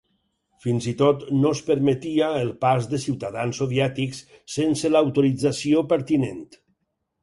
Fins i tot no es permetia el pas de ciutadans soviètics sense l'autorització pertinent.